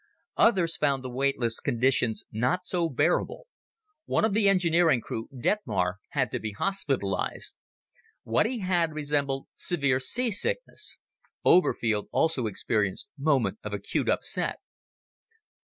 Others found the weightless conditions not so bearable. One of the engineering crew, Detmar, had to be hospitalized. What he had resembled severe seasickness. Oberfield also experienced moments of acute upset.